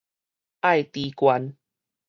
愛知縣